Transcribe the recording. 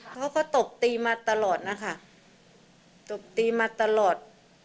เขาก็ตบตีมาตลอดนะคะตบตีมาตลอด